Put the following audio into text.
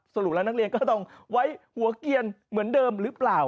สรุปแล้วนักเรียนก็ต้องไว้หัวเกียรเหมือนเดิมหรือเปล่า